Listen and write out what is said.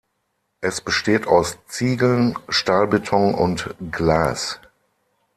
Es besteht aus Ziegeln, Stahlbeton und Glas.